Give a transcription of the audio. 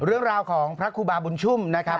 เรื่องราวของพระครูบาบุญชุ่มนะครับ